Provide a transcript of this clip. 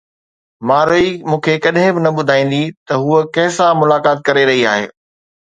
مارئي مون کي ڪڏهن به نه ٻڌائيندي ته هوءَ ڪنهن سان ملاقات ڪري رهي آهي.